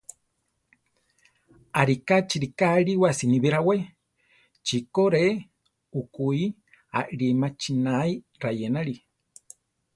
Ariká chi riká aliwá siníbi rawé: chiko re ukúi alí machinái rayénali.